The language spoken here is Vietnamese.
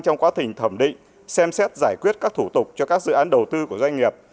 trong quá trình thẩm định xem xét giải quyết các thủ tục cho các dự án đầu tư của doanh nghiệp